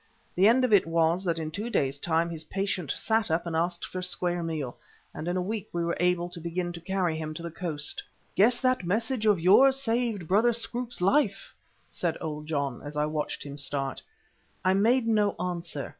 The end of it was that in two days' time his patient sat up and asked for a square meal, and in a week we were able to begin to carry him to the coast. "Guess that message of yours saved Brother Scroope's life," said old John, as he watched him start. I made no answer.